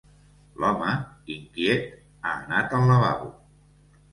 L'home, inquiet, ha anat al lavabo.